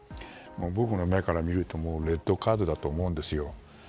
僕目から見るとレッドカードだと思うんですよ。